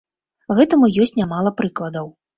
Гэтаму ёсць нямала прыкладаў.